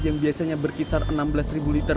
yang biasanya berkisar enam belas liter